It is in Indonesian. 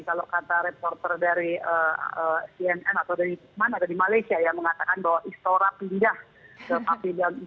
kalau kata reporter dari cnn atau dari mana dari malaysia ya mengatakan bahwa istora pindah ke papidana